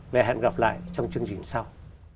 và hẹn gặp lại trong chương trình sau